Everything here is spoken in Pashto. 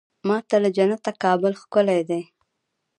ما ته له جنته کابل ښکلی دی.